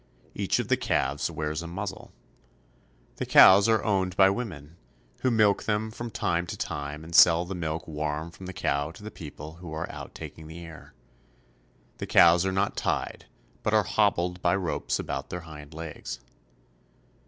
Each of the calves wears a muzzle. The cows are owned by women, who milk them from time to time and sell the milk warm from the cow to the people who are out taking the air. The cows are not tied, but are hobbled by ropes about their hind legs.